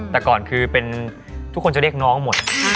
แต่ก่อนคือเป็นทุกคนจะเรียกน้องหมด